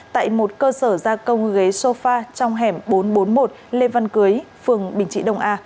tại một cơ sở gia công ghế sofa trong hẻm bốn trăm bốn mươi một lê văn cưới phường bình trị đông a